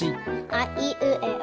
あいうえお。